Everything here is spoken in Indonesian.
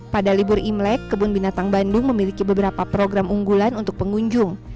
pada libur imlek kebun binatang bandung memiliki beberapa program unggulan untuk pengunjung